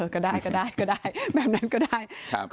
ก็ได้แบบนั้นก็ได้